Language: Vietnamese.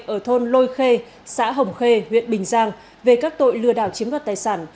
ở thôn lôi khê xã hồng khê huyện bình giang về các tội lừa đảo chiếm đoạt tài sản